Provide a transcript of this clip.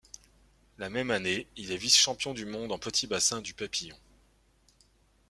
La même année, il est vice-champion du monde en petit bassin du papillon.